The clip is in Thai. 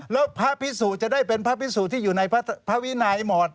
แล้วพระพิสุจะได้เป็นพระพิสุที่อยู่ในพระวินัยหมด